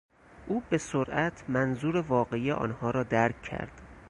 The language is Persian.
او به سرعت منظور واقعی آنها را درک کرد.